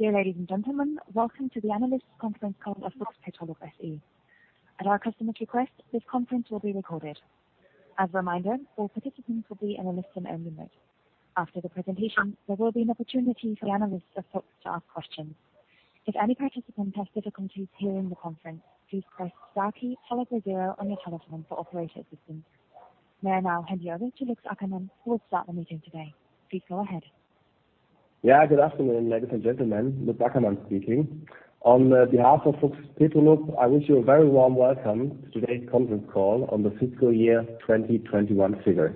Dear ladies and gentlemen, Welcome To The Analyst Conference Call of Fuchs Petrolub SE. At our customer's request, this conference will be recorded. As a reminder, all participants will be in a listen-only mode. After the presentation, there will be an opportunity for analysts of Fuchs to ask questions. If any participant has difficulties hearing the conference, please press star key, followed by zero on your telephone for operator assistance. May I now hand you over to Lutz Ackermann, who will start the meeting today. Please go ahead. Yeah. Good afternoon, ladies and gentlemen. Lutz Ackermann speaking. On behalf of Fuchs Petrolub, I wish you a very warm welcome to today's conference call on the fiscal year 2021 figures.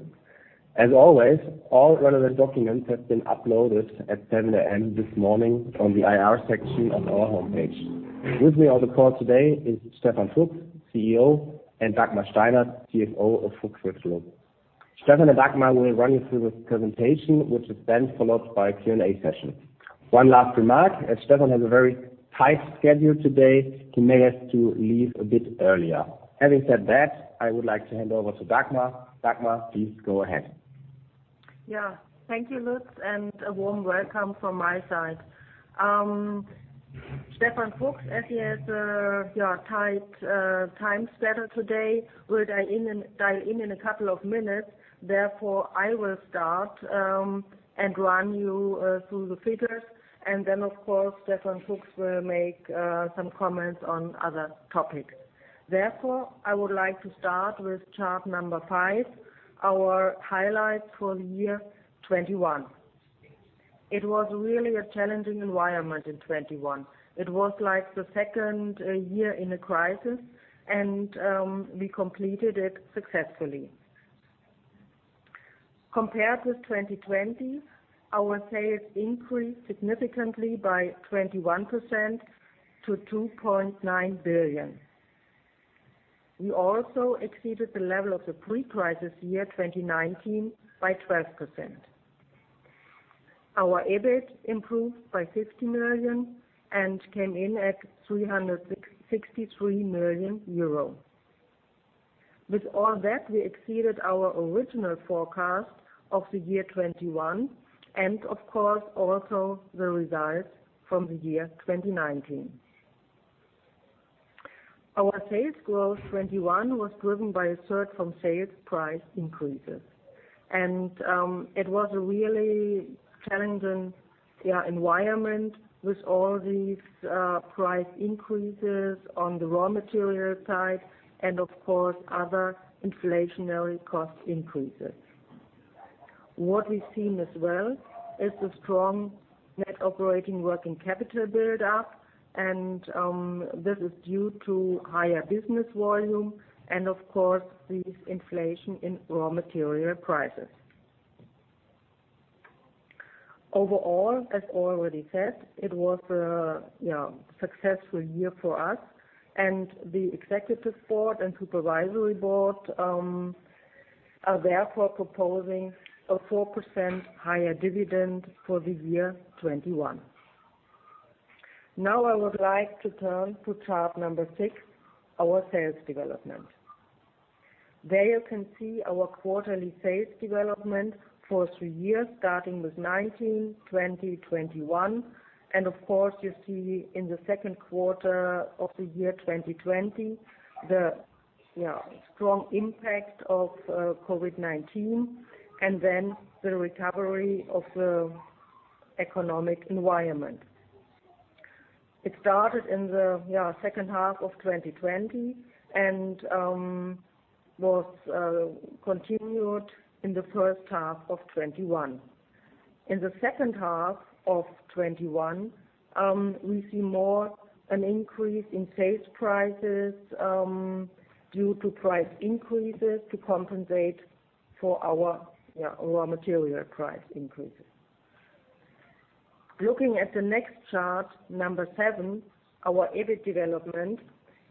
As always, all relevant documents have been uploaded at 7 A.M. this morning on the IR section on our homepage. With me on the call today is Stefan Fuchs, CEO, and Dagmar Steinert, CFO of Fuchs Petrolub. Stefan and Dagmar will run you through the presentation, which is then followed by a Q&A session. One last remark, as Stefan has a very tight schedule today, he may have to leave a bit earlier. Having said that, I would like to hand over to Dagmar. Dagmar, please go ahead. Yeah. Thank you, Lutz, and a warm welcome from my side. Stefan Fuchs, as he has a tight time schedule today, will dial in a couple of minutes. Therefore, I will start and run you through the figures. Of course, Stefan Fuchs will make some comments on other topic. Therefore, I would like to start with chart number 5, our highlights for the year 2021. It was really a challenging environment in 2021. It was like the second year in a crisis and we completed it successfully. Compared with 2020, our sales increased significantly by 21% to 2.9 billion. We also exceeded the level of the pre-crisis year, 2019, by 12%. Our EBIT improved by 50 million and came in at 366.3 million euro. With all that, we exceeded our original forecast of the year 2021, and of course, also the results from the year 2019. Our sales growth 2021 was driven by a surge from sales price increases. It was a really challenging environment with all these price increases on the raw material side and of course, other inflationary cost increases. What we've seen as well is a strong net operating working capital build-up, and this is due to higher business volume and of course, the inflation in raw material prices. Overall, as already said, it was a successful year for us and the Executive Board and Supervisory Board are therefore proposing a 4% higher dividend for the year 2021. Now I would like to turn to chart number 6, our sales development. There you can see our quarterly sales development for three years, starting with 2019, 2020, 2021. Of course, you see in the second quarter of the year 2020, the strong impact of COVID-19 and then the recovery of the economic environment. It started in the second half of 2020 and was continued in the first half of 2021. In the second half of 2021, we see more an increase in sales prices due to price increases to compensate for our raw material price increases. Looking at the next chart, number 7, our EBIT development,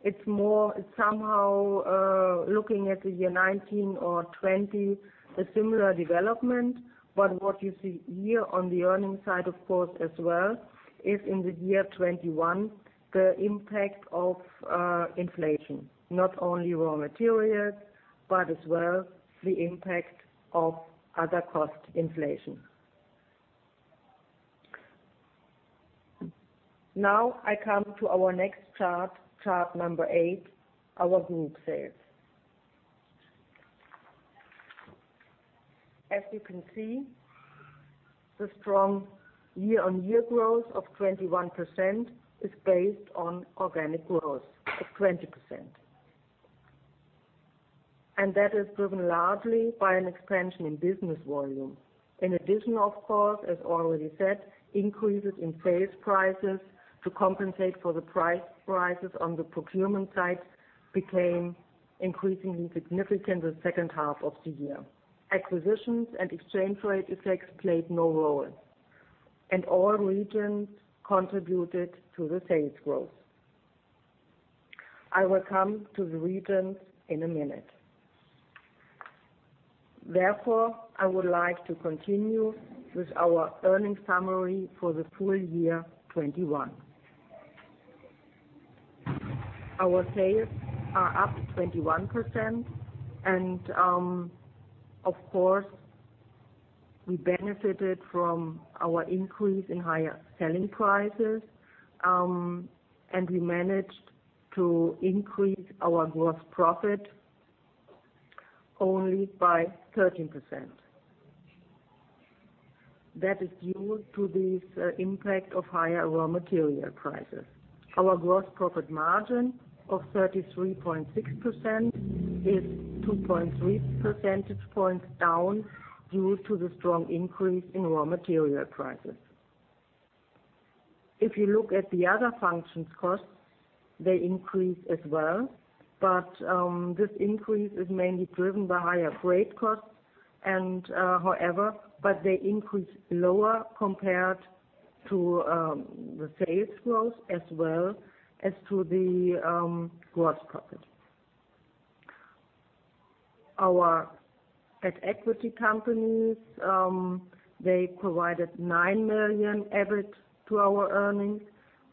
it's more somehow looking at the year 2019 or 2020, a similar development. What you see here on the earnings side, of course, as well, is in the year 2021, the impact of inflation. Not only raw materials, but as well the impact of other cost inflation. Now I come to our next chart number 8, our group sales. As you can see, the strong year-on-year growth of 21% is based on organic growth of 20%. That is driven largely by an expansion in business volume. In addition, of course, as already said, increases in sales prices to compensate for the price rises on the procurement side became increasingly significant in the second half of the year. Acquisitions and exchange rate effects played no role. All regions contributed to the sales growth. I will come to the regions in a minute. Therefore, I would like to continue with our earnings summary for the full year 2021. Our sales are up 21% and, of course, we benefited from our increase in higher selling prices. We managed to increase our gross profit only by 13%. That is due to the impact of higher raw material prices. Our gross profit margin of 33.6% is 2.3 percentage points down due to the strong increase in raw material prices. If you look at the other functions costs, they increase as well, but this increase is mainly driven by higher freight costs and they increase lower compared to the sales growth as well as to the gross profit. Our at-equity companies they provided 9 million EBIT to our earnings,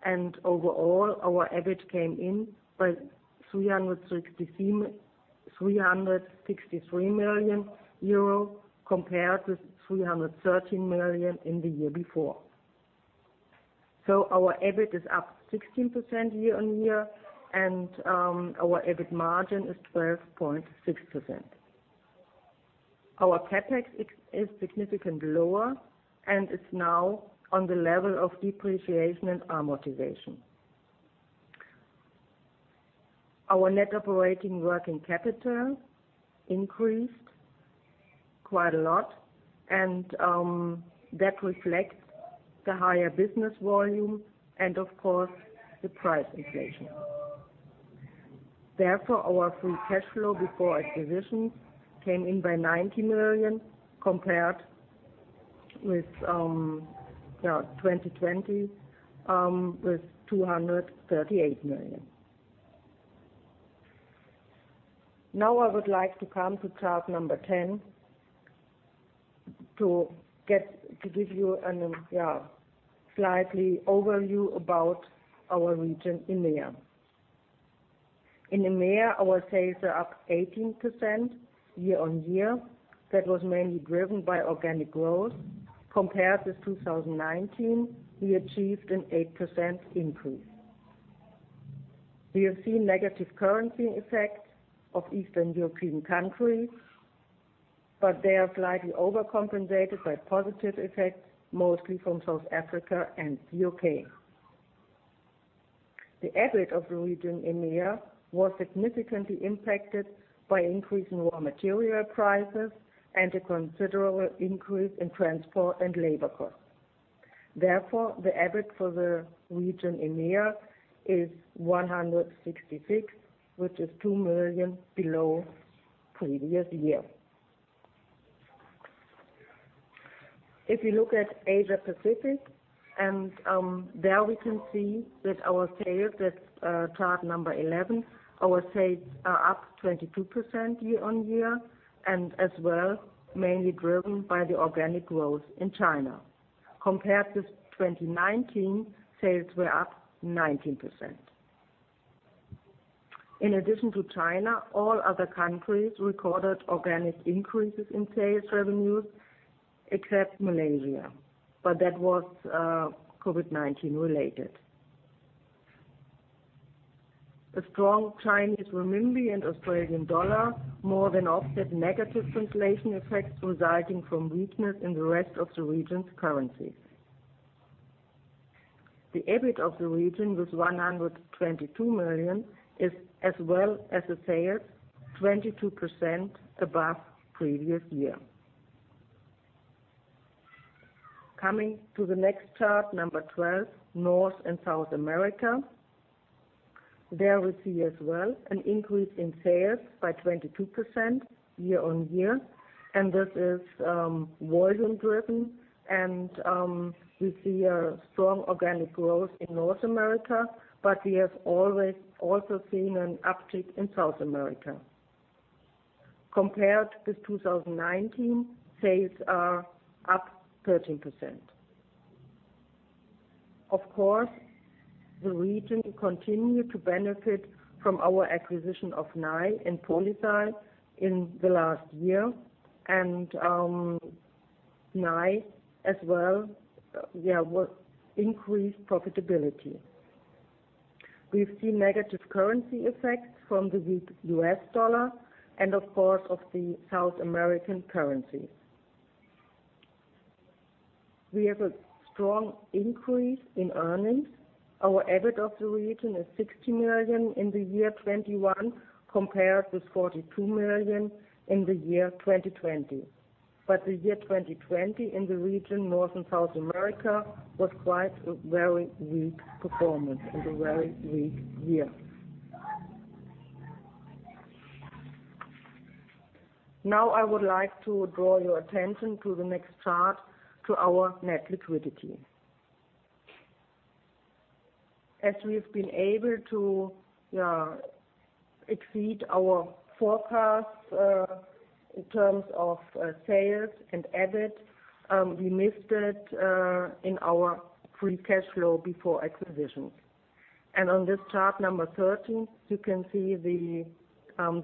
and overall, our EBIT came in by 363 million euro compared to 313 million in the year before. Our EBIT is up 16% year-on-year, and our EBIT margin is 12.6%. Our CapEx is significantly lower and is now on the level of depreciation and amortization. Our net operating working capital increased quite a lot, and that reflects the higher business volume and of course, the price inflation. Therefore, our free cash flow before acquisitions came in at 90 million compared with 2020 with EUR 238 million. Now I would like to come to chart number 10 to give you a slight overview about our region EMEA. In EMEA, our sales are up 18% year-on-year. That was mainly driven by organic growth. Compared to 2019, we achieved an 8% increase. We have seen negative currency effects of Eastern European countries, but they are slightly overcompensated by positive effects, mostly from South Africa and U.K. The EBIT of the region EMEA was significantly impacted by increasing raw material prices and a considerable increase in transport and labor costs. Therefore, the EBIT for the region EMEA is 166 million, which is 2 million below previous year. If you look at Asia Pacific, there we can see that our sales, that's chart 11, our sales are up 22% year-on-year and as well, mainly driven by the organic growth in China. Compared to 2019, sales were up 19%. In addition to China, all other countries recorded organic increases in sales revenues except Malaysia. That was COVID-19 related. A strong Chinese renminbi and Australian dollar more than offset negative translation effects resulting from weakness in the rest of the region's currencies. The EBIT of the region was 122 million, as well as the sales 22% above previous year. Coming to the next chart, number 12, North and South America. There we see as well an increase in sales by 22% year-on-year. This is volume driven and we see a strong organic growth in North America, but we have also seen an uptick in South America. Compared to 2019, sales are up 13%. Of course, the region continued to benefit from our acquisition of Nye and PolySi Technologies in the last year and Nye as well increased profitability. We've seen negative currency effects from the weak U.S. dollar and of course of the South American currencies. We have a strong increase in earnings. Our EBIT of the region is 60 million in the year 2021, compared with 42 million in the year 2020. The year 2020 in the region, North and South America was quite a very weak performance and a very weak year. Now I would like to draw your attention to the next chart to our net liquidity. As we've been able to exceed our forecast in terms of sales and EBIT. We missed it in our free cash flow before acquisitions. On this chart number 13, you can see the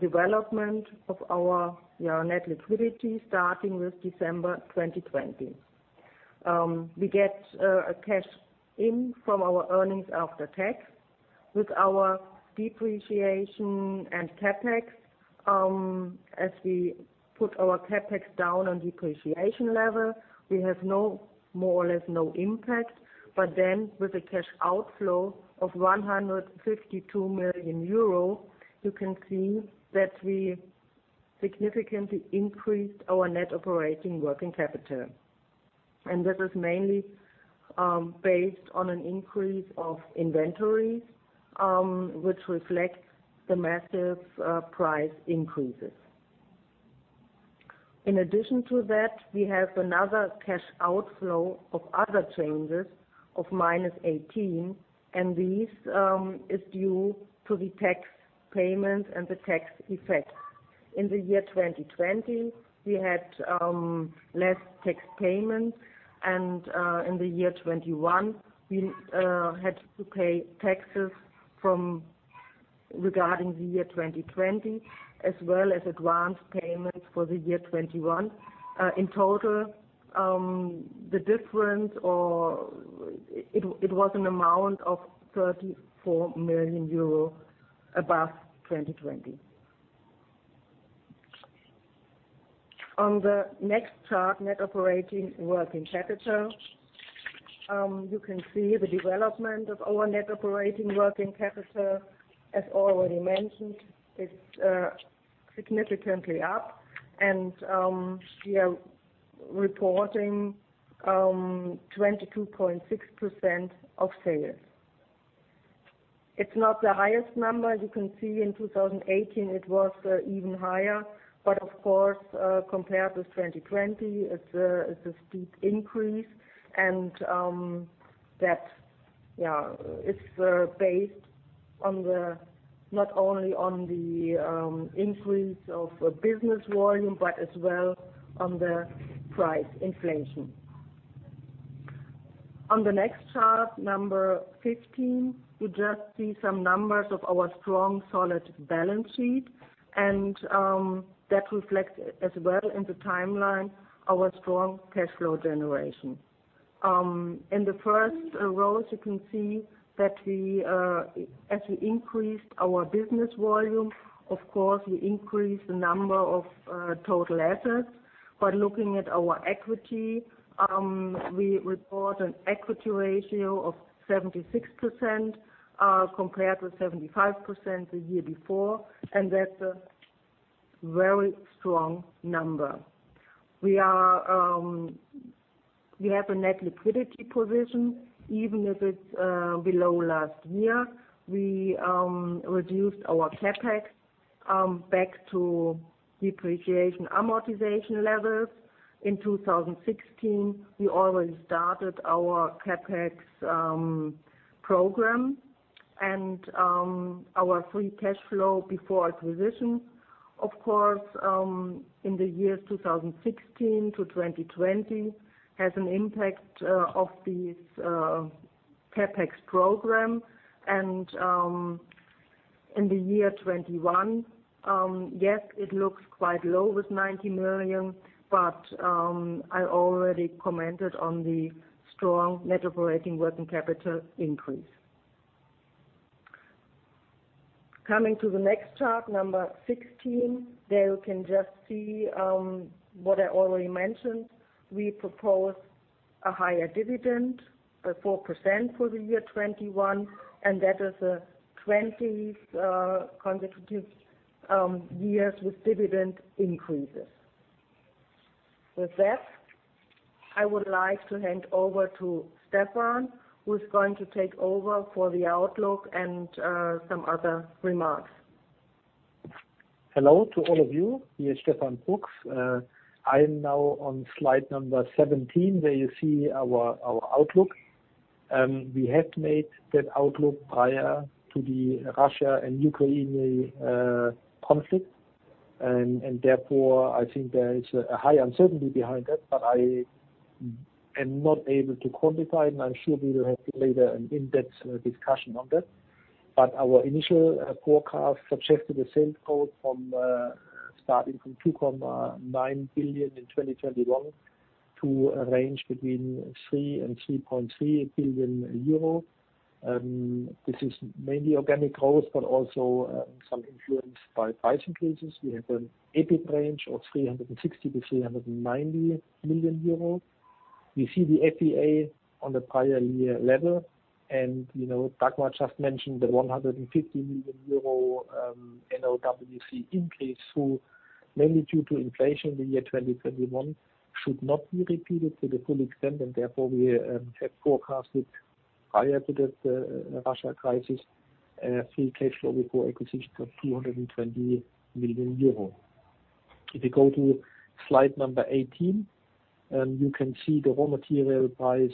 development of our net liquidity starting with December 2020. We get a cash in from our earnings after tax with our depreciation and CapEx. As we put our CapEx down on depreciation level, we have more or less no impact. With a cash outflow of 152 million euro, you can see that we significantly increased our net operating working capital. This is mainly based on an increase of inventory, which reflects the massive price increases. In addition to that, we have another cash outflow of other changes of -18 million, and this is due to the tax payment and the tax effect. In the year 2020, we had less tax payment, and in the year 2021, we had to pay taxes from regarding the year 2020, as well as advance payments for the year 2021. In total, the difference or it was an amount of 34 million euro above 2020. On the next chart, net operating working capital, you can see the development of our net operating working capital. As already mentioned, it's significantly up and we are reporting 22.6% of sales. It's not the highest number. You can see in 2018 it was even higher. Of course, compared with 2020, it's a steep increase and that it's based not only on the increase of business volume, but as well on the price inflation. On the next chart 15, you just see some numbers of our strong solid balance sheet, and that reflects as well in the timeline our strong cash flow generation. In the first rows, you can see that we as we increased our business volume, of course we increased the number of total assets. Looking at our equity, we report an equity ratio of 76%, compared with 75% the year before, and that's a very strong number. We have a net liquidity position, even if it's below last year. We reduced our CapEx back to depreciation amortization levels. In 2016, we already started our CapEx program and our free cash flow before acquisition. Of course, in the years 2016 to 2020 has an impact of these CapEx program. In the year 2021, yes, it looks quite low with 90 million, but I already commented on the strong net operating working capital increase. Coming to the next chart, 16, there you can just see what I already mentioned. We propose a higher dividend, 4% for the year 2021, and that is 20 consecutive years with dividend increases. With that, I would like to hand over to Stefan, who's going to take over for the outlook and some other remarks. Hello to all of you. Here is Stefan Fuchs. I am now on slide 17, where you see our outlook. We have made that outlook prior to the Russia and Ukraine conflict. Therefore, I think there is a high uncertainty behind that, but I am not able to quantify it, and I'm sure we will have later an in-depth discussion on that. Our initial forecast suggested a sales growth starting from 2.9 billion in 2021 to a range between 3 billion and 3.3 billion euro. This is mainly organic growth, but also some influenced by price increases. We have an EBIT range of 360 million-390 million euros. We see the FBA on the prior year level. You know, Dagmar just mentioned the 150 million euro NOWC increase through mainly due to inflation in the year 2021 should not be repeated to the full extent, and therefore we have forecasted prior to the Russia crisis free cash flow before acquisition of 220 million euro. If you go to slide 18, you can see the raw material price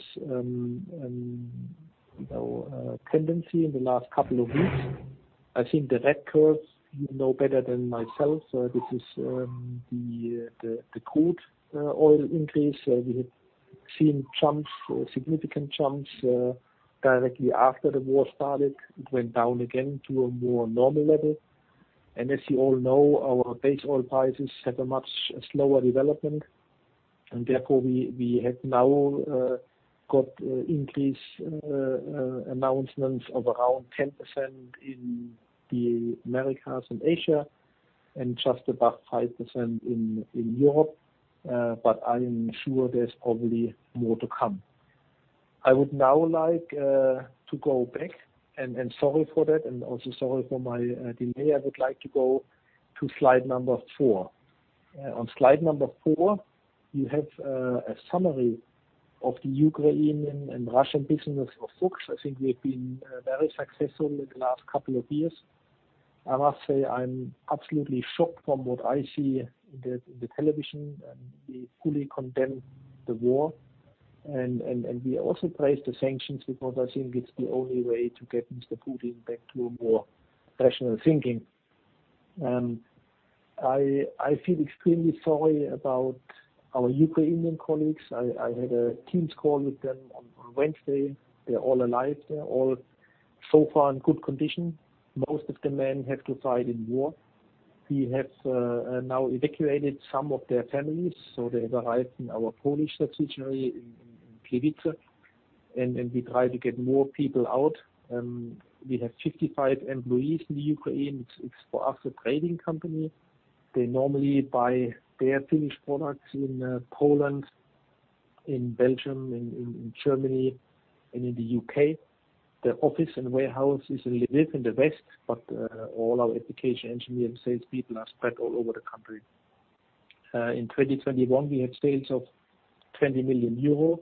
tendency in the last couple of weeks. I think the red curve you know better than myself, so this is the crude oil increase. We have seen jumps or significant jumps directly after the war started. It went down again to a more normal level. As you all know, our base oil prices have a much slower development, and therefore we have now got increase announcements of around 10% in the Americas and Asia, and just about 5% in Europe. I am sure there's probably more to come. I would now like to go back and sorry for that, and also sorry for my delay. I would like to go to slide number 4. On slide number 4, you have a summary of the Ukrainian and Russian business of Fuchs. I think we've been very successful in the last couple of years. I must say I'm absolutely shocked from what I see in the television, and we fully condemn the war. We also praise the sanctions because I think it's the only way to get Mr. Putin back to a more rational thinking. I feel extremely sorry about our Ukrainian colleagues. I had a Teams call with them on Wednesday. They're all alive. They're all so far in good condition. Most of the men have to fight in war. We have now evacuated some of their families, so they've arrived in our Polish subsidiary in Gliwice. We try to get more people out. We have 55 employees in the Ukraine. It's for us a trading company. They normally buy their finished products in Poland, in Belgium, in Germany, and in the UK. The office and warehouse is in Lviv in the west, but all our application engineer and sales people are spread all over the country. In 2021, we had sales of 20 million euro.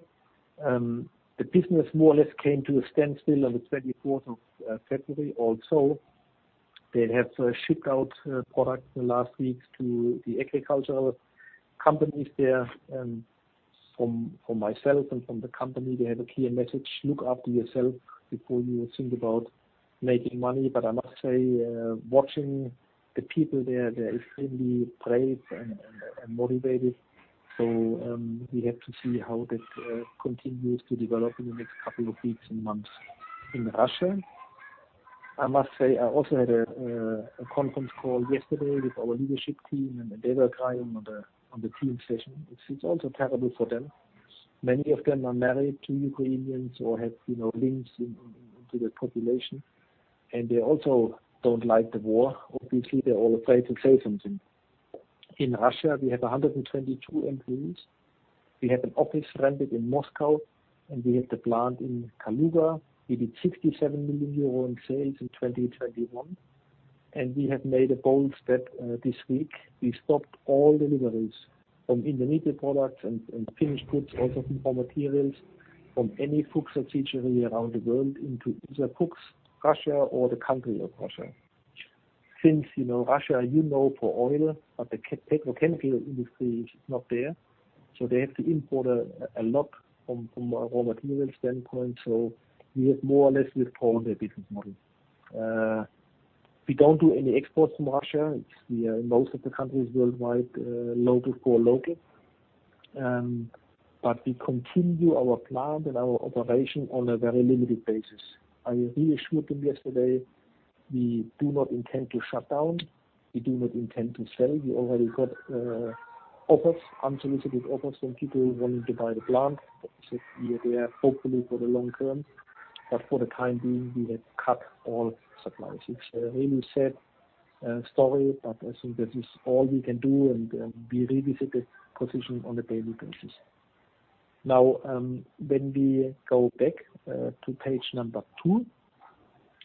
The business more or less came to a standstill on the 24th of February. Also, they have shipped out products in the last weeks to the agricultural companies there. From myself and from the company, they have a clear message. Look after yourself before you think about making money. I must say, watching the people there, they're extremely brave and motivated. We have to see how that continues to develop in the next couple of weeks and months in Russia. I must say I also had a conference call yesterday with our leadership team, and they were crying on the Teams session. It's also terrible for them. Many of them are married to Ukrainians or have, you know, links into the population, and they also don't like the war. Obviously, they're all afraid to say something. In Russia, we have 122 employees. We have an office rented in Moscow, and we have the plant in Kaluga. We did 67 million euro in sales in 2021, and we have made a bold step this week. We stopped all deliveries from intermediate products and finished goods, also from raw materials from any Fuchs subsidiary around the world into either Fuchs Russia or the country of Russia. Since you know Russia you know for oil, but the chemical industry is not there. They have to import a lot from a raw material standpoint. We have more or less withdrawn their business model. We don't do any exports from Russia. It's via most of the countries worldwide, local for local. But we continue our plant and our operation on a very limited basis. I reassured them yesterday, we do not intend to shut down. We do not intend to sell. We already got offers, unsolicited offers from people wanting to buy the plant. We are there hopefully for the long term. But for the time being, we have cut all supplies. It's a really sad story, but I think this is all we can do, and we revisit the position on a daily basis. Now, when we go back to page 2,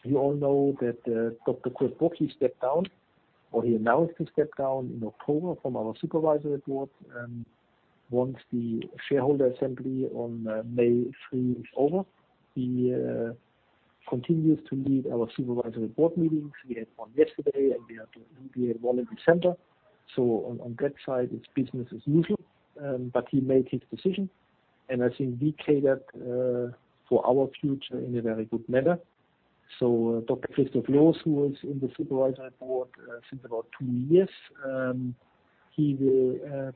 you all know that Dr. Christoph Loos stepped down, or he announced he stepped down in October from our Supervisory Board. Once the shareholder assembly on May 3 is over, he continues to lead our Supervisory Board meetings. We had one yesterday, and we have one in December. On that side, it's business as usual. But he made his decision, and I think we catered for our future in a very good manner. Dr. Christoph Loos, who was in the Supervisory Board since about 2 years, he will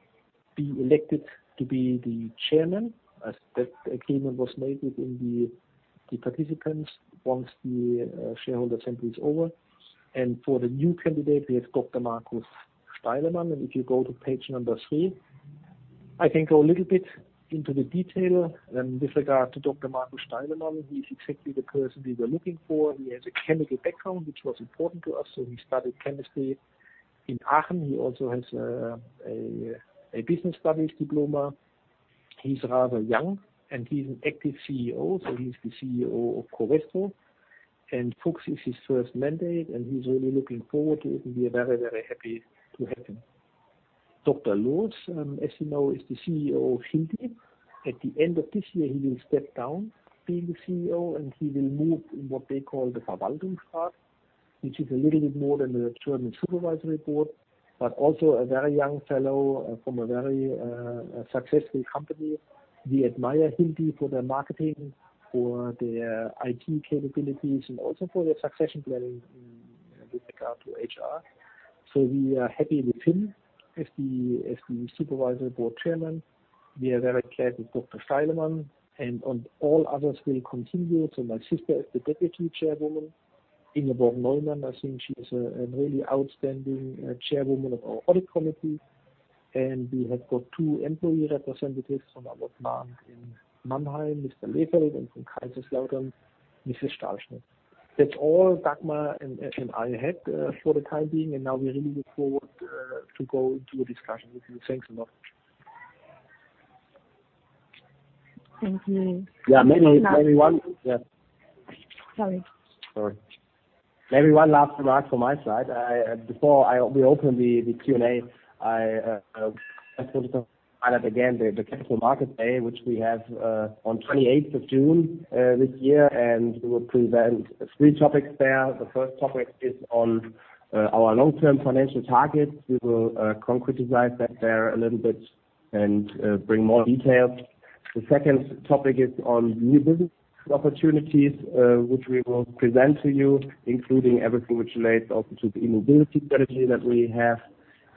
be elected to be the Chairman, as that agreement was made within the participants once the shareholder assembly is over. For the new candidate, we have Dr. Markus Steilemann. If you go to page number three, I can go a little bit into the detail with regard to Dr. Markus Steilemann. He is exactly the person we were looking for. He has a chemical background, which was important to us, so he studied chemistry in Aachen. He also has a business studies diploma. He's rather young, and he's an active CEO, so he's the CEO of Covestro. Fuchs is his first mandate, and he's really looking forward to it. We are very, very happy to have him. Dr. Christoph Loos, as you know, is the CEO of Hilti. At the end of this year, he will step down being the CEO, and he will move in what they call the which is a little bit more than the German supervisory board, but also a very young fellow from a very successful company. We admire him for their marketing, for their IT capabilities, and also for their succession planning with regard to HR. We are happy with him as the supervisory board chairman. We are very glad with Dr. Steilemann and all others will continue. My sister is the deputy chairwoman, Ingeborg Neumann. I think she is a really outstanding chairwoman of our audit committee, and we have got two employee representatives from our plant in Mannheim, Mr. Lehfeldt, and from Kaiserslautern, Mrs. Stahlschmidt. That's all Dagmar and I had for the time being, and now we really look forward to go to a discussion with you. Thanks a lot. Thank you. Yeah. Maybe one. Yeah. Sorry. Sorry. Maybe one last remark from my side. Before we open the Q&A, I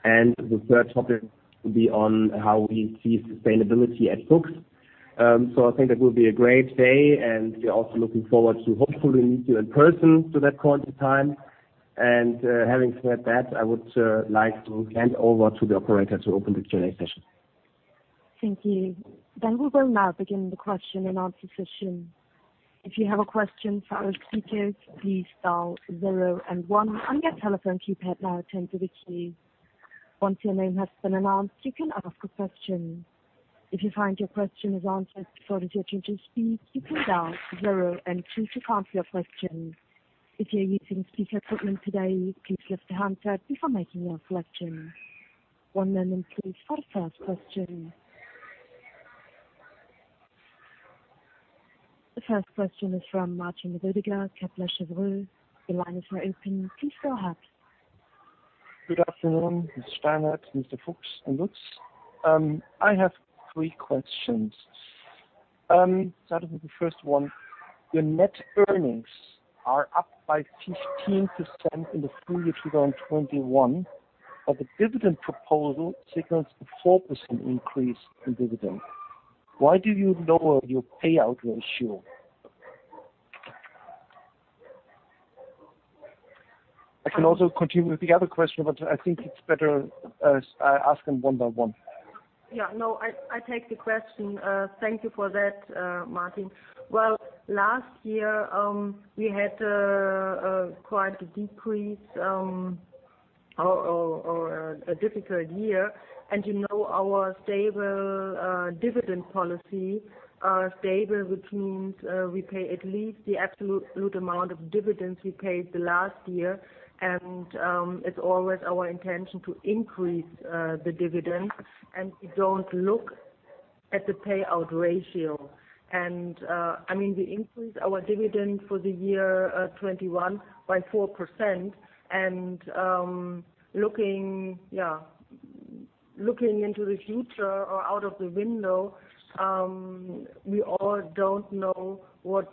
Thank you. We will now begin the question and answer session. If you have a question for our speakers, please dial 0 and 1 on your telephone keypad now to un-mute. Once your name has been announced, you can ask a question. If you find your question is answered before the agent speaks, you can dial 0 and 2 to cancel your question. If you're using speaker equipment today, please lift the handset before making your selection. One moment please for the first question. The first question is from Martin Roediger, Kepler Cheuvreux. The line is now open, please go ahead. Good afternoon, Ms. Steinert, Mr. Fuchs and Lutz. I have three questions. Starting with the first one, your net earnings are up by 15% in the full year 2021, but the dividend proposal signals a 4% increase in dividend. Why do you lower your payout ratio? I can also continue with the other question, but I think it's better, I ask them one by one. I take the question. Thank you for that, Martin. Well, last year, we had quite a decrease or a difficult year. You know, our stable dividend policy are stable, which means we pay at least the absolute amount of dividends we paid last year. It's always our intention to increase the dividend, and we don't look at the payout ratio. I mean, we increase our dividend for the year 2021 by 4%. Looking into the future or out of the window, we all don't know what's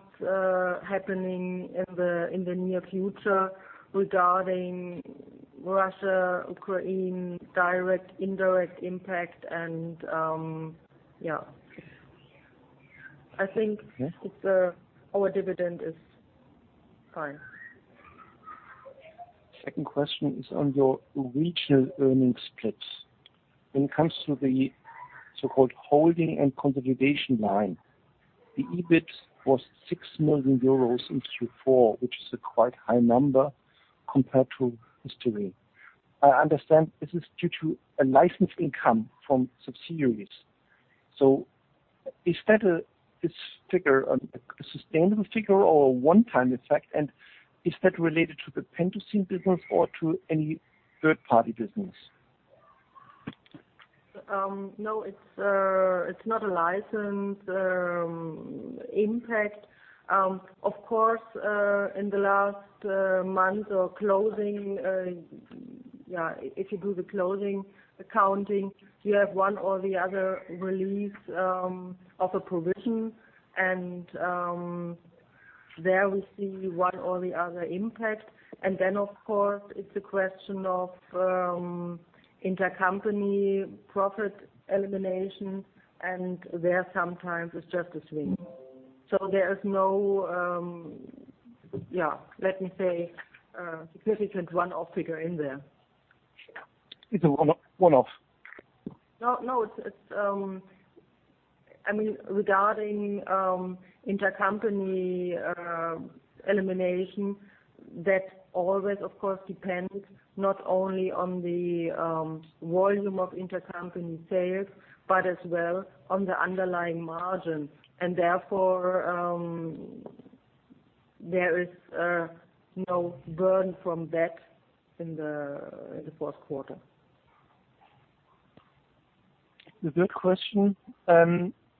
happening in the near future regarding Russia, Ukraine, direct, indirect impact. I think Yeah. It's our dividend is fine. Second question is on your regional earnings splits. When it comes to the so-called holding and consolidation line, the EBIT was 6 million euros in Q4, which is a quite high number compared to history. I understand this is due to a license income from subsidiaries. Is that this figure a sustainable figure or a one-time effect? And is that related to the Pentosin business or to any third-party business? No, it's not a license impact. Of course, in the last month or closing, yeah, if you do the closing accounting, you have one or the other release of a provision. There we see one or the other impact. Of course, it's a question of intercompany profit elimination, and there sometimes it's just a swing. There is no, yeah, let me say, significant one-off figure in there. It's a one-off? No, it's, I mean, regarding intercompany elimination, that always, of course, depends not only on the volume of intercompany sales, but as well on the underlying margin. Therefore, there is no burn from that in the fourth quarter. A good question.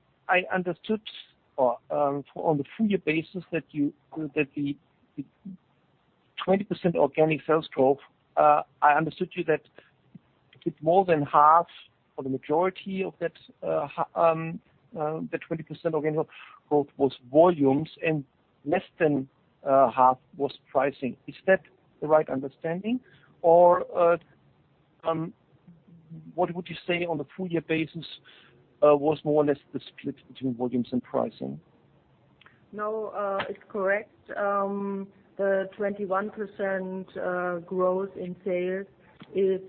I understood on the full year basis that the 20% organic sales growth, it's more than half or the majority of that was volumes and less than half was pricing. Is that the right understanding? What would you say on the full year basis was more or less the split between volumes and pricing? No, it's correct. The 21% growth in sales is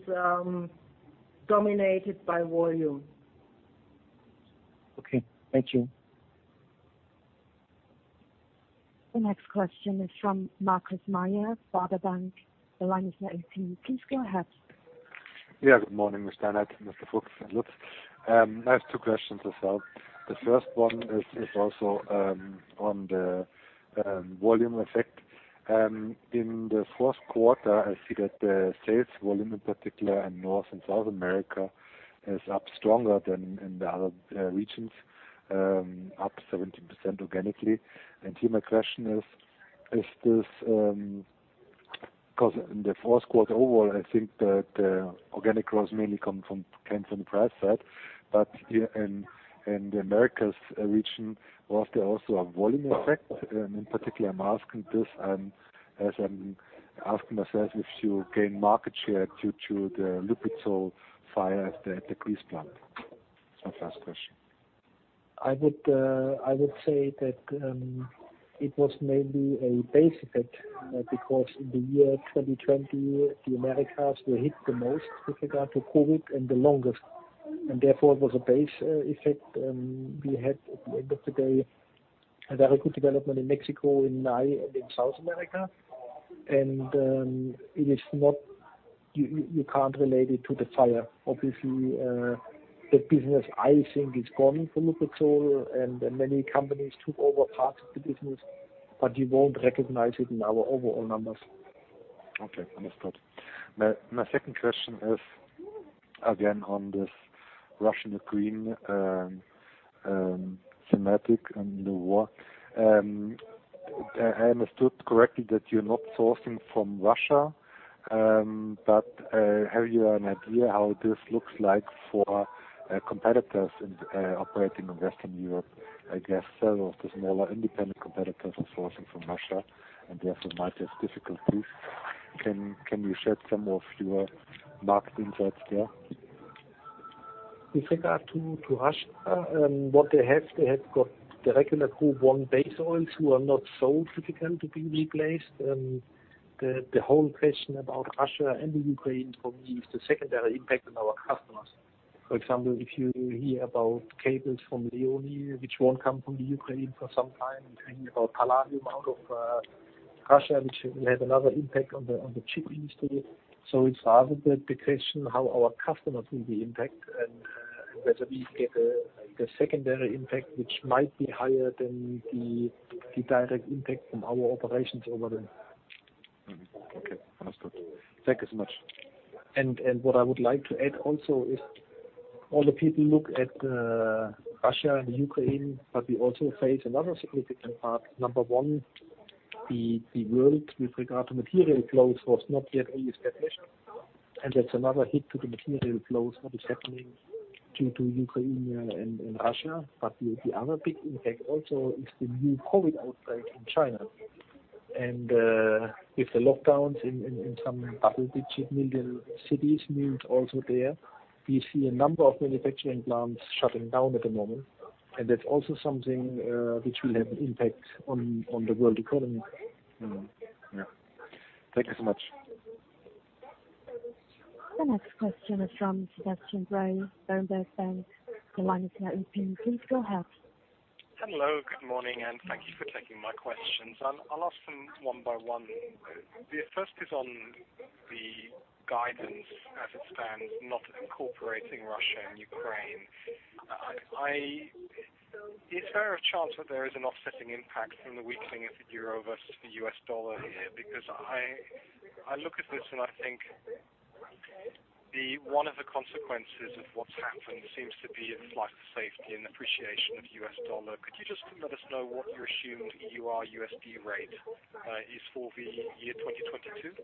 dominated by volume. Okay, thank you. The next question is from Markus Mayer, Baader Bank. The line is now open. Please go ahead. Yeah, good morning, Ms. Steinert, Mr. Fuchs and Lutz. I have two questions as well. The first one is also on the volume effect. In the fourth quarter, I see that the sales volume in particular in North and South America is up stronger than in the other regions, up 17% organically. To my question is this 'cause in the fourth quarter overall, I think that organic growth mainly comes from the price side. But here in the Americas region, was there also a volume effect? In particular, I'm asking this as I'm asking myself if you gain market share due to the Lubrizol fire at the grease plant. That's my first question. I would say that it was mainly a base effect because in the year 2020, the Americas were hit the most with regard to COVID and the longest, and therefore it was a base effect. We had at the end of the day, a very good development in Mexico, in Nye and in South America. You can't relate it to the fire. Obviously, the business I think is gone for Lubrizol and then many companies took over parts of the business, but you won't recognize it in our overall numbers. Okay, understood. My second question is again on this Russia-Ukraine thematic and the war. I understood correctly that you're not sourcing from Russia. Have you an idea how this looks like for competitors operating in Western Europe? I guess several of the smaller independent competitors are sourcing from Russia, and therefore might have difficulties. Can you shed some of your market insights there? With regard to Russia, what they have got the regular Group I base oils which are not so difficult to be replaced. The whole question about Russia and the Ukraine for me is the secondary impact on our customers. For example, if you hear about cables from Leoni which won't come from the Ukraine for some time, and hearing about palladium out of Russia, which will have another impact on the chip industry. It's rather the question how our customers will be impacted and whether we get the secondary impact, which might be higher than the direct impact from our operations over there. Mm-hmm. Okay, understood. Thank you so much. What I would like to add also is all the people look at Russia and the Ukraine, but we also face another significant part. Number one, the world with regard to material flows was not yet fully established, and that's another hit to the material flows what is happening due to Ukraine and Russia. The other big impact also is the new COVID outbreak in China. With the lockdowns in some couple big million cities means also there we see a number of manufacturing plants shutting down at the moment. That's also something which will have an impact on the world economy. Mm-hmm. Yeah. Thank you so much. The next question is from Sebastian Bray, Berenberg Bank. The line is now open. Please go ahead. Hello, good morning, and thank you for taking my questions. I'll ask them one by one. The first is on the guidance as it stands, not incorporating Russia and Ukraine. Is there a chance that there is an offsetting impact from the weakening of the euro versus the US dollar here? Because I look at this and I think one of the consequences of what's happened seems to be a flight to safety and appreciation of US dollar. Could you just let us know what your assumed EUR/USD rate is for the year 2022?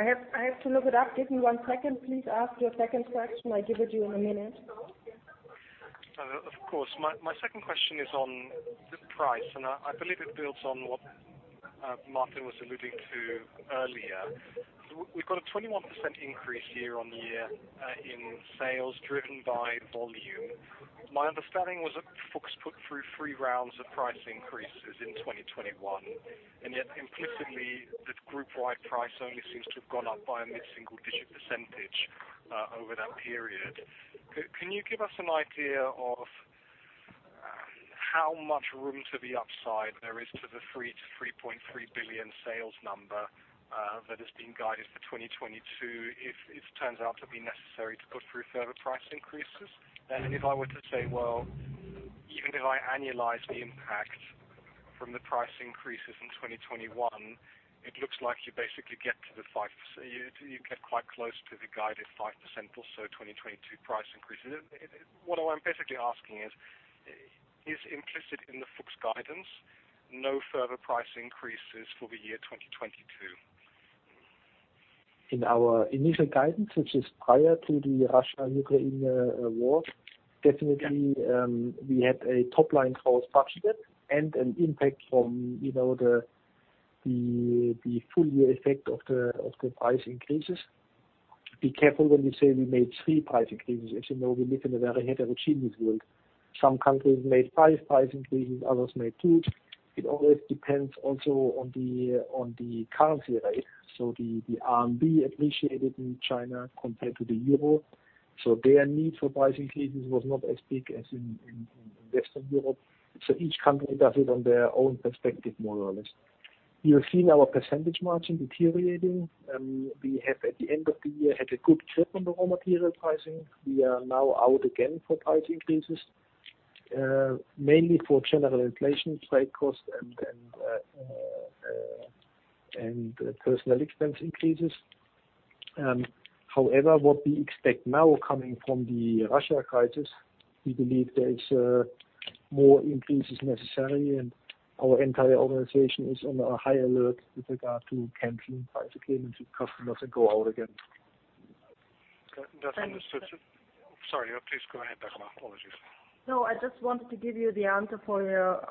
I have to look it up. Give me one second, please. Ask your second question. I give it to you in a minute. Of course. My second question is on the price, and I believe it builds on what Martin was alluding to earlier. We've got a 21% increase year-on-year in sales driven by volume. My understanding was that Fuchs put through three rounds of price increases in 2021, and yet implicitly the group-wide price only seems to have gone up by a mid-single-digit percentage over that period. Can you give us an idea of how much room to the upside there is to the 3 billion-3.3 billion sales number that is being guided for 2022, if it turns out to be necessary to put through further price increases. If I were to say, well, even if I annualize the impact from the price increases in 2021, it looks like you basically get to the 5%. You get quite close to the guided 5% or so 2022 price increases. What I'm basically asking is implicit in the Fuchs guidance no further price increases for the year 2022? In our initial guidance, which is prior to the Russia-Ukraine war, definitely. Yeah. We had a top line growth targeted and an impact from, you know, the full year effect of the price increases. Be careful when you say we made three price increases. As you know, we live in a very heterogeneous world. Some countries made five price increases, others made two. It always depends also on the currency rate. The RMB appreciated in China compared to the euro, so their need for price increases was not as big as in Western Europe. Each country does it on their own perspective, more or less. You have seen our percentage margin deteriorating. We have at the end of the year had a good grip on the raw material pricing. We are now out again for price increases, mainly for general inflation, trade costs and personnel expense increases. However, what we expect now coming from the Russia crisis, we believe there is more increases necessary and our entire organization is on a high alert with regard to canceling price agreements with customers and go out again. That- And- Understood. Sorry, please go ahead, Dagmar. Apologies. No, I just wanted to give you the answer for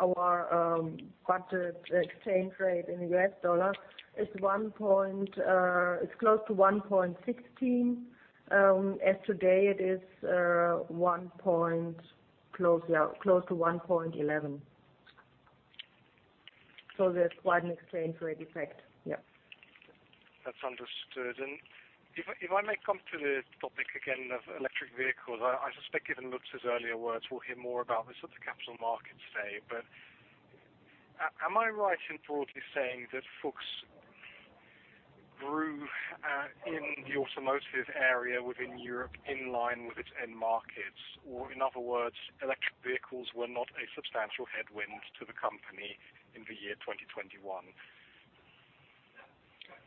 our budget exchange rate in US dollars. It's close to 1.16. As it is today, it's close to 1.11. So there's quite an exchange rate effect. That's understood. If I may come to the topic again of electric vehicles, I suspect given Lutz's earlier words, we'll hear more about this at the capital markets day. Am I right in broadly saying that Fuchs grew in the automotive area within Europe in line with its end markets? Or in other words, electric vehicles were not a substantial headwind to the company in the year 2021.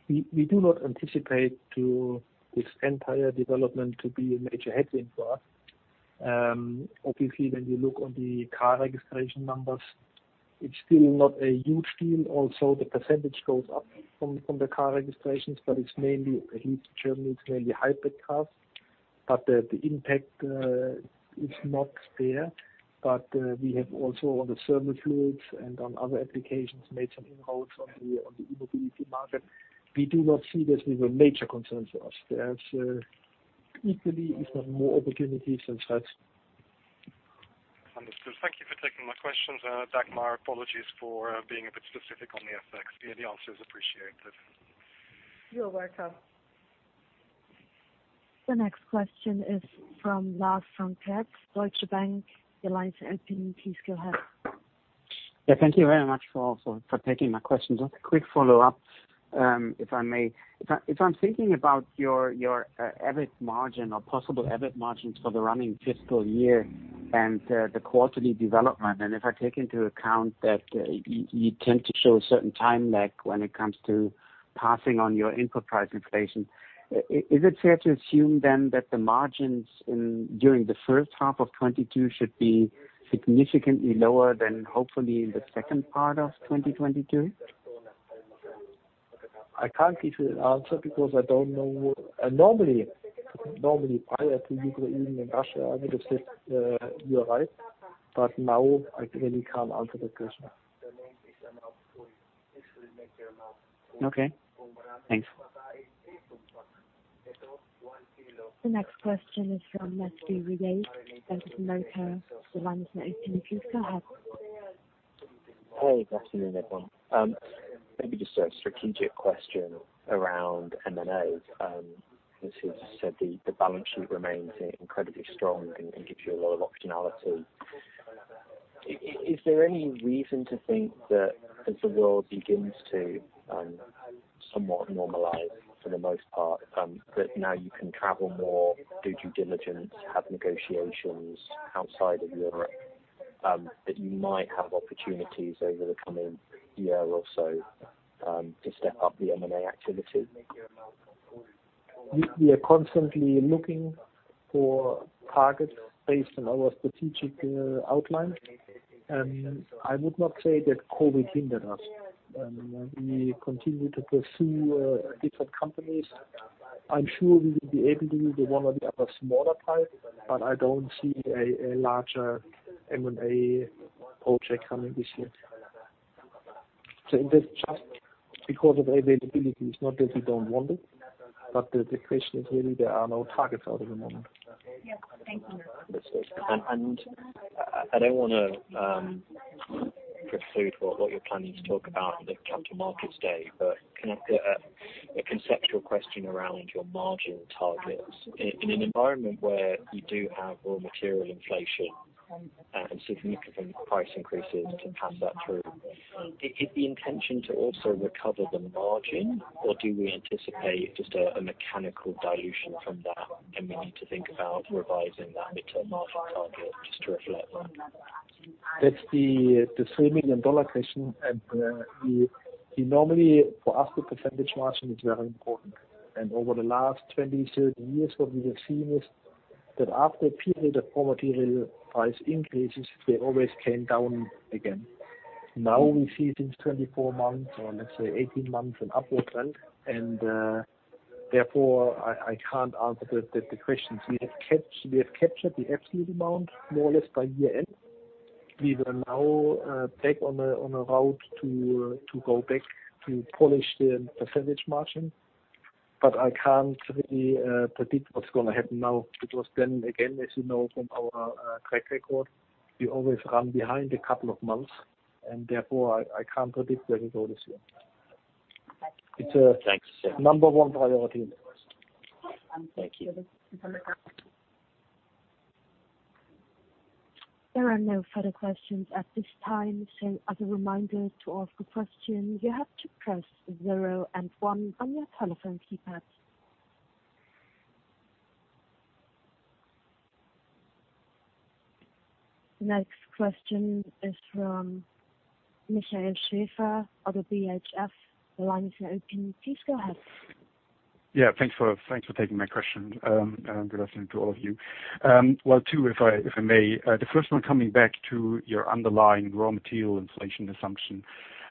We do not anticipate this entire development to be a major headwind for us. Obviously, when you look on the car registration numbers, it's still not a huge deal. Also, the percentage goes up from the car registrations, but it's mainly, at least in Germany, it's mainly hybrid cars. The impact is not there. We have also on the thermal fluids and on other applications made some inroads on the e-mobility market. We do not see this as a major concern for us. There's equally more opportunities than threats. Understood. Thank you for taking my questions. Dagmar, apologies for being a bit specific on the FX. Yeah, the answer is appreciated. You're welcome. The next question is from Lars Vom Cleff of Deutsche Bank. Your line is open. Please go ahead. Yeah, thank you very much for taking my questions. Just a quick follow-up, if I may. If I'm thinking about your EBIT margin or possible EBIT margins for the running fiscal year and the quarterly development, and if I take into account that you tend to show a certain time lag when it comes to passing on your input price inflation, is it fair to assume then that the margins during the first half of 2022 should be significantly lower than hopefully in the second part of 2022? I can't give you an answer because I don't know. Normally prior to Ukraine and Russia, I would have said, you're right, but now I really can't answer that question. Okay. Thanks. The next question is from Matthew Yates of BofA Securities. Your line is now open. Please go ahead. Hey, good afternoon, everyone. Maybe just a strategic question around M&A. As you just said, the balance sheet remains incredibly strong and gives you a lot of optionality. Is there any reason to think that as the world begins to somewhat normalize for the most part, that now you can travel more, do due diligence, have negotiations outside of Europe, that you might have opportunities over the coming year or so, to step up the M&A activity? We are constantly looking for targets based on our strategic outline. I would not say that COVID hindered us. We continue to pursue different companies. I'm sure we will be able to do the one or the other smaller type, but I don't see a larger M&A project coming this year. It is just because of availabilities, not that we don't want it, but the question is really there are no targets out at the moment. I don't wanna preclude what you're planning to talk about at the capital markets day. Can I put a conceptual question around your margin targets? In an environment where you do have raw material inflation and significant price increases to pass that through, is the intention to also recover the margin, or do we anticipate just a mechanical dilution from that, and we need to think about revising that midterm margin target just to reflect that? That's the $3 million question. We normally, for us, the percentage margin is very important. Over the last 20, 30 years, what we have seen is that after a period of raw material price increases, they always came down again. Now we see since 24 months or let's say 18 months an upward trend and therefore I can't answer the questions. We have captured the absolute amount more or less by year end. We will now take on a route to go back to bolster the percentage margin. But I can't really predict what's gonna happen now because then again, as you know from our track record, we always run behind a couple of months and therefore I can't predict where we go this year. Thanks. It's a number one priority of ours. Thank you. There are no further questions at this time. As a reminder, to ask a question, you have to press zero and one on your telephone keypad. Next question is from Michael Schaefer of BHF. The line is now open. Please go ahead. Yeah, thanks for taking my question. Good afternoon to all of you. Well, two, if I may. The first one coming back to your underlying raw material inflation assumption.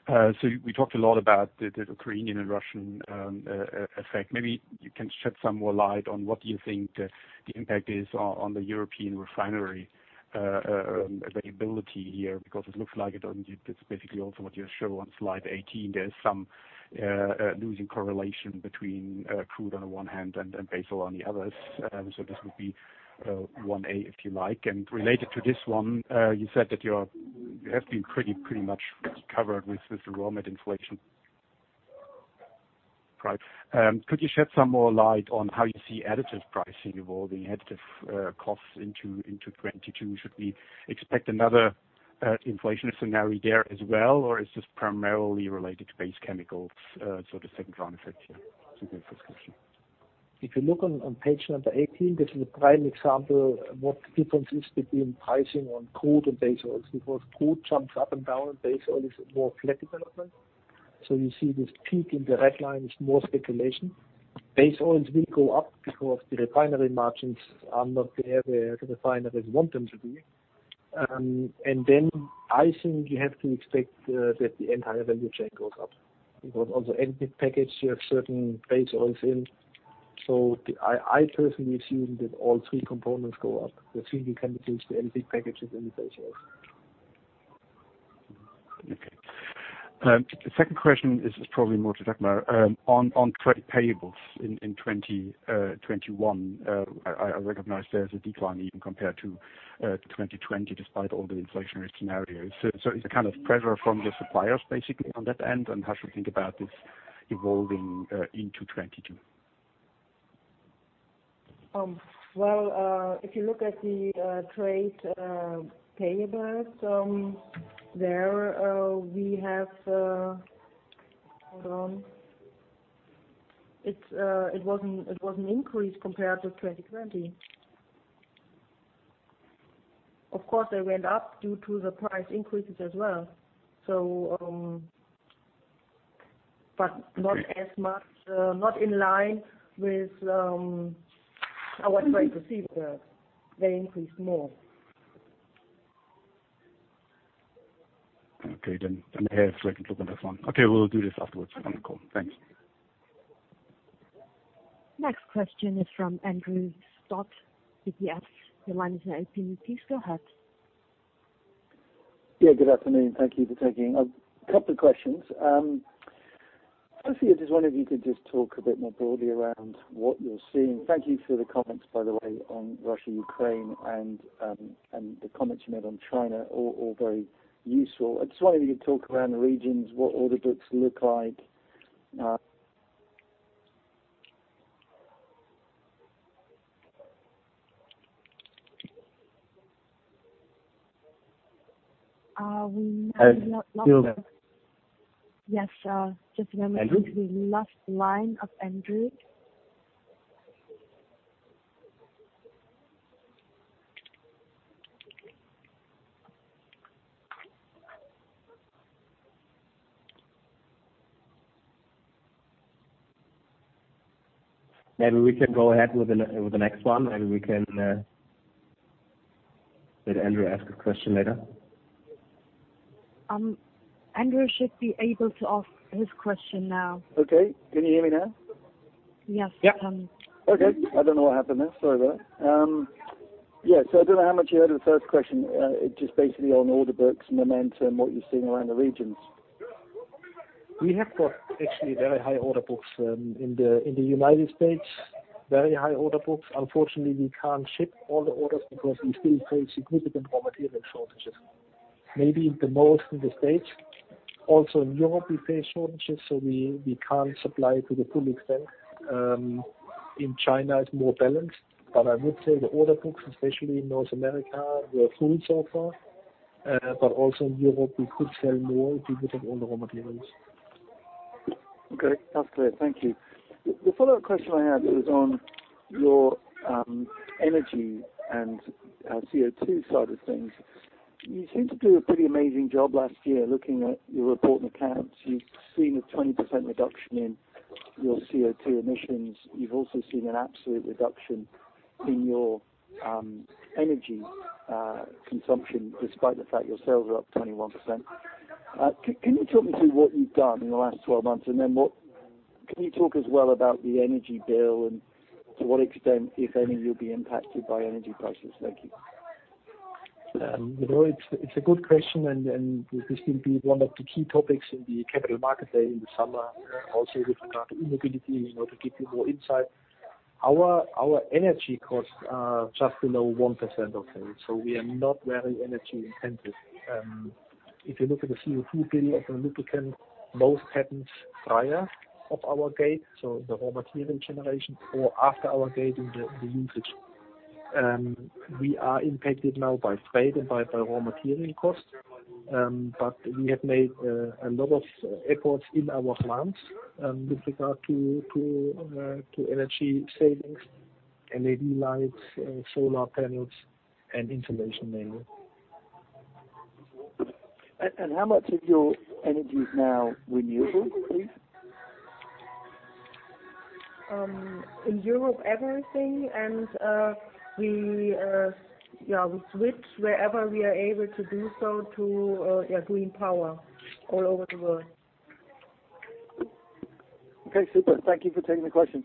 So we talked a lot about the Ukrainian and Russian effect. Maybe you can shed some more light on what you think the impact is on the European refinery availability here, because it looks like it's basically also what you show on slide 18. There's some loosening correlation between crude on the one hand and base oil on the other. So this would be one A, if you like. Related to this one, you said that you have been pretty much covered with the raw mat inflation. Right. Could you shed some more light on how you see additive pricing evolving, additive costs into 2022? Should we expect another inflation scenario there as well, or is this primarily related to base chemicals, sort of second round effect here? Those are the first questions. If you look on page 18, this is a prime example what the difference is between pricing on crude and base oils. Because crude jumps up and down, base oil is more flat development. You see this peak in the red line is more speculation. Base oils will go up because the refinery margins are not there where the refineries want them to be. I think you have to expect that the entire value chain goes up because on the additive package you have certain base oils in. I personally assume that all three components go up, the feed additives, the additive package and the base oils. Okay. Second question is probably more to Dagmar. On trade payables in 2021, I recognize there's a decline even compared to 2020, despite all the inflationary scenarios. It's a kind of pressure from your suppliers basically on that end? How should we think about this evolving into 2022? Well, if you look at the trade payables there, we have. Hold on. It was an increase compared to 2020. Of course, they went up due to the price increases as well. But not as much, not in line with. I was trying to see if they increased more. Okay, then perhaps we can look on this one. Okay, we'll do this afterwards on the call. Thanks. Next question is from Andrew Stott, UBS. Your line is now open. Please go ahead. Yeah, good afternoon. Thank you for taking a couple of questions. Firstly, I just wonder if you could just talk a bit more broadly around what you're seeing. Thank you for the comments, by the way, on Russia, Ukraine and the comments you made on China, all very useful. I just wonder if you could talk around the regions, what order books look like. We may have lost. Still there. Yes, just a moment please. Andrew? We lost the line of Andrew. Maybe we can go ahead with the next one, and we can let Andrew ask a question later. Andrew should be able to ask his question now. Okay. Can you hear me now? Yes. Yeah. Okay. I don't know what happened there. Sorry about that. Yeah, I don't know how much you heard the first question. It just basically on order books, momentum, what you're seeing around the regions. We have got actually very high order books in the United States, very high order books. Unfortunately, we can't ship all the orders because we still face significant raw material shortages, maybe the most in the States. Also in Europe, we face shortages, so we can't supply to the full extent. In China it's more balanced. I would say the order books, especially in North America, we are full so far, but also in Europe, we could sell more if we would have all the raw materials. Okay, that's clear. Thank you. The follow-up question I had was on your energy and CO2 side of things. You seemed to do a pretty amazing job last year. Looking at your report and accounts, you've seen a 20% reduction in your CO2 emissions. You've also seen an absolute reduction in your energy consumption, despite the fact your sales are up 21%. Can you talk me through what you've done in the last 12 months, and then can you talk as well about the energy bill, and to what extent, if any, you'll be impacted by energy prices? Thank you. You know, it's a good question, and this will be one of the key topics in the capital market day in the summer. Also with regard to e-mobility, you know, to give you more insight. Our energy costs are just below 1% of sales, so we are not very energy intensive. If you look at the CO2 bill of a lubricant, most happens prior to our gate, so the raw material generation or after our gate in the usage. We are impacted now by freight and by the raw material costs. But we have made a lot of efforts in our plants with regard to energy savings, LED lights, solar panels and insulation mainly. How much of your energy is now renewable, please? In Europe, everything. We switch wherever we are able to do so to green power all over the world. Okay, super. Thank you for taking the questions.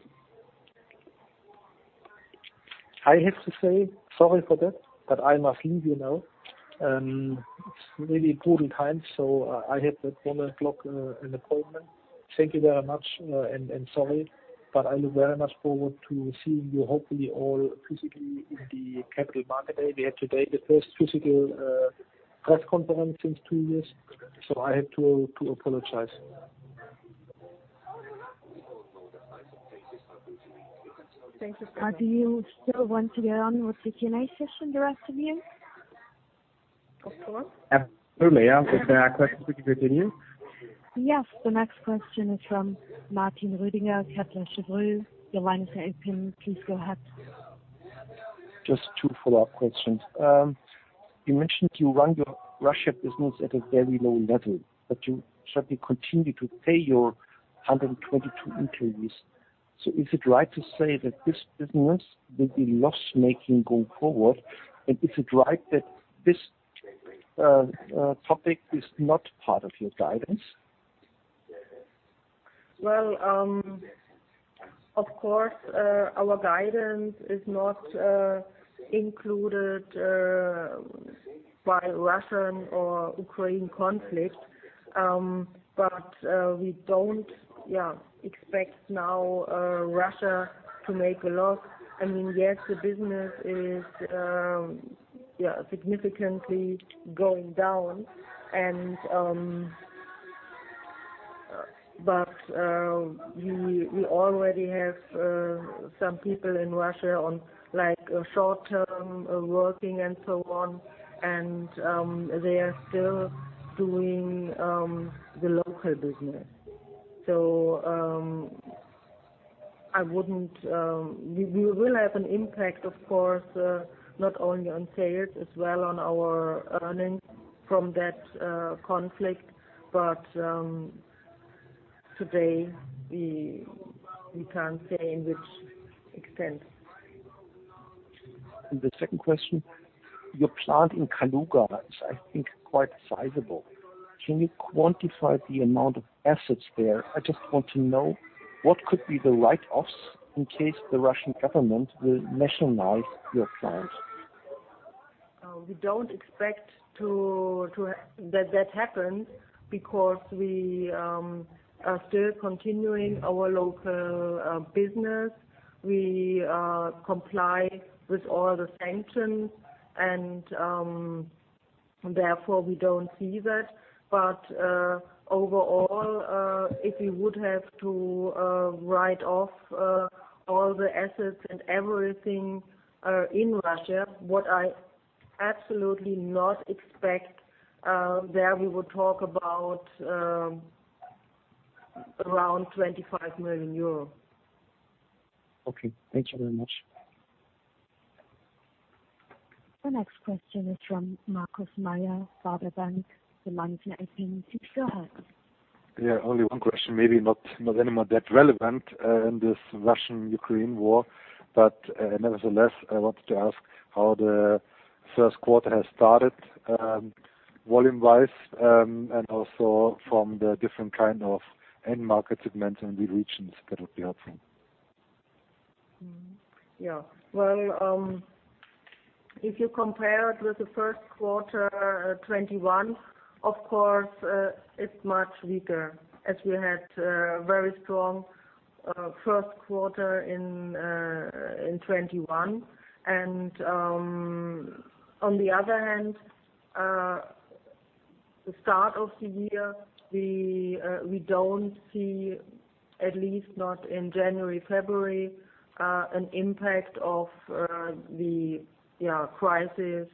I have to say sorry for that, but I must leave you now. It's really brutal time, so I have at 1 o'clock an appointment. Thank you very much, and sorry, but I look very much forward to seeing you hopefully all physically in the Capital Markets Day. We had today the first physical press conference since two years, so I have to apologize. Thank you so much. Do you still want to carry on with the Q&A session, the rest of you? Of course. Absolutely, yeah. If there are questions, we can continue. Yes. The next question is from Martin Roediger, Kepler Cheuvreux. Your line is open. Please go ahead. Just two follow-up questions. You mentioned you run your Russia business at a very low level, but you certainly continue to pay your 122 employees. Is it right to say that this business will be loss-making going forward? Is it right that this topic is not part of your guidance? Well, of course, our guidance is not influenced by the Russia-Ukraine conflict. We don't expect now Russia to make a loss. I mean, yes, the business is significantly going down, and we already have some people in Russia on, like, a short-time working and so on. They are still doing the local business. We will have an impact, of course, not only on sales, as well as on our earnings from that conflict. Today we can't say to what extent. The second question: Your plant in Kaluga is, I think, quite sizable. Can you quantify the amount of assets there? I just want to know what could be the write-offs in case the Russian government will nationalize your plant. We don't expect to have that happen because we are still continuing our local business. We comply with all the sanctions and therefore we don't see that. Overall, if we would have to write off all the assets and everything in Russia, which I absolutely do not expect, there we would talk about around 25 million euros. Okay. Thank you very much. The next question is from Markus Meyer, Baader Bank. Your line is open. Please go ahead. Yeah, only one question, maybe not anymore that relevant in this Russian-Ukraine war. Nevertheless, I wanted to ask how the first quarter has started volume-wise and also from the different kind of end market segments and the regions that would be helpful. Yeah. Well, if you compare it with the first quarter 2021, of course, it's much weaker as we had very strong first quarter in 2021. On the other hand, the start of the year, we don't see, at least not in January, February, an impact of the crisis,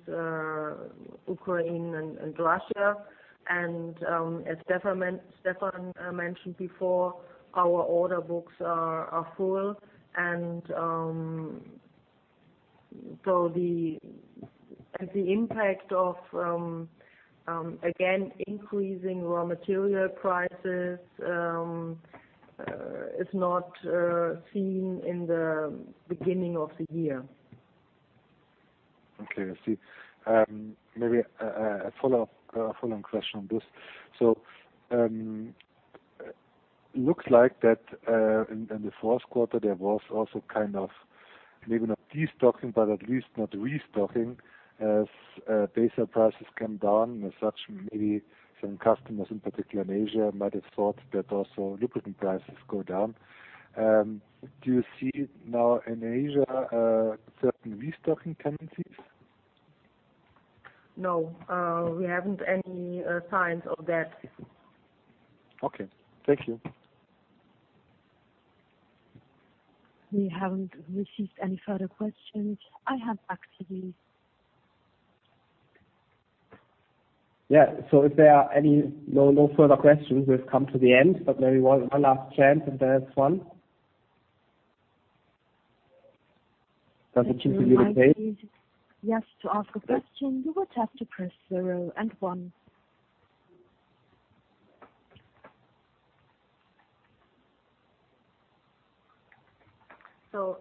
Ukraine and Russia. As Stefan mentioned before, our order books are full. The impact of again, increasing raw material prices is not seen in the beginning of the year. Okay, I see. Maybe a follow-up follow-on question on this. Looks like in the fourth quarter, there was also kind of maybe not destocking, but at least not restocking as base prices come down. As such, maybe some customers, in particular in Asia, might have thought that also lubricant prices go down. Do you see now in Asia certain restocking tendencies? No, we haven't any signs of that. Okay. Thank you. We haven't received any further questions. I have actually. No further questions, we've come to the end. Maybe one last chance if there is one. Does it seem to be the case? Thank you. I see. Yes, to ask a question, you would have to press zero and one.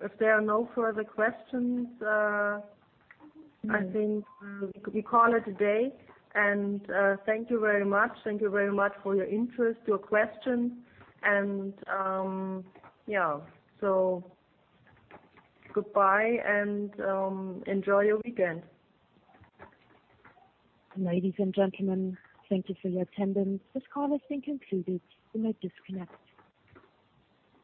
If there are no further questions, I think we call it a day. Thank you very much. Thank you very much for your interest, your questions, and yeah. Goodbye and enjoy your weekend. Ladies and gentlemen, thank you for your attendance. This call has been concluded. You may disconnect.